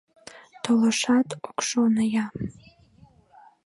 Толашат ок шоно я.